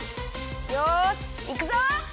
よしいくぞ！